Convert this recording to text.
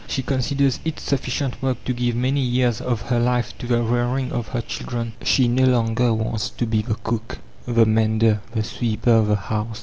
She considers it sufficient work to give many years of her life to the rearing of her children. She no longer wants to be the cook, the mender, the sweeper of the house!